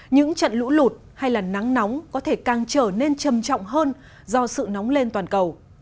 những trận lũ lụt hay là nắng nóng có thể càng trở nên trầm trọng hơn do sự nóng lên toàn cầu